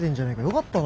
よかったな。